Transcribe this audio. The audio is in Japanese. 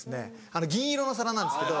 銀色の皿なんですけど。